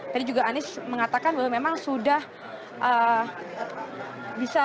saya juga mengatakan bahwa mereka tidak memang sudah apresi